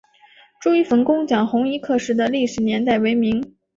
朱一冯攻剿红夷刻石的历史年代为明。